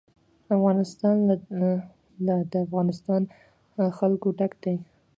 افغانستان له د افغانستان جلکو ډک دی.